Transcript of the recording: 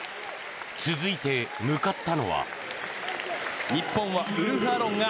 続いて、向かったのは。